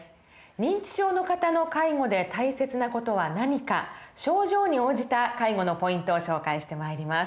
認知症の方の介護で大切な事は何か症状に応じた介護のポイントを紹介してまいります。